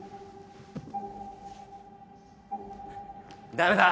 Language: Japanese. ダメだ！